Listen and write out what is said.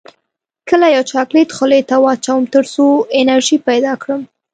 کله یو چاکلیټ خولې ته واچوم تر څو انرژي پیدا کړم